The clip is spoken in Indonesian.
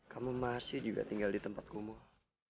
kamu masih juga tinggal di tempat kumuh